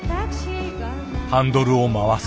ハンドルを回す。